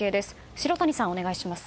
城谷さん、お願いします。